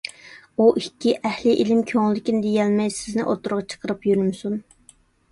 ئۇ ئىككى ئەھلى ئىلىم كۆڭلىدىكىنى دېيەلمەي سىزنى ئوتتۇرىغا چىقىرىپ يۈرمىسۇن.